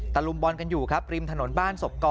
ลุมบอลกันอยู่ครับริมถนนบ้านศพก่อ